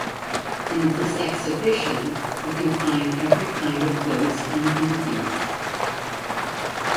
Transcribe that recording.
In this exhibition you can find every kind of goats and donkeys.